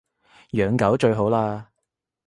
養狗最好喇